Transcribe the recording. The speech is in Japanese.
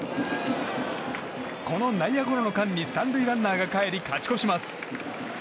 この内野ゴロの間に３塁ランナーがかえり勝ち越します。